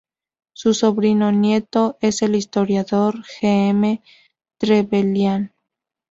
Su sobrino-nieto es el historiador G. M. Trevelyan.